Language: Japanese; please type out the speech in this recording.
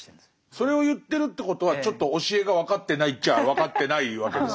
それを言ってるってことはちょっと教えが分かってないっちゃあ分かってないわけですもんね。